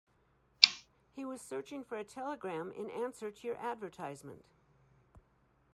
He was searching for a telegram in answer to your advertisement.